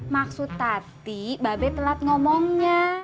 maksud tati mbak be telat ngomongnya